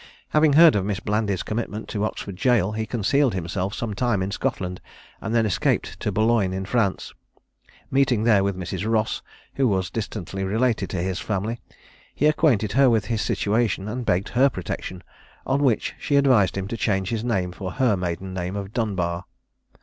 Having heard of Miss Blandy's commitment to Oxford jail, he concealed himself some time in Scotland, and then escaped to Boulogne, in France. Meeting there with Mrs. Ross, who was distantly related to his family, he acquainted her with his situation, and begged her protection; on which she advised him to change his name for her maiden name of Dunbar.